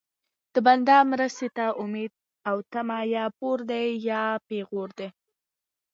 د بنده مرستې ته امید او طمع یا پور دی یا پېغور دی